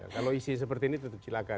kalau isi seperti ini tutup cilaka